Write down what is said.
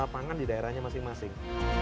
lapangan di daerahnya masing masing